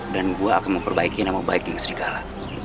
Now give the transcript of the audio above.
dan gua akan memperbaiki nama baik yang serigala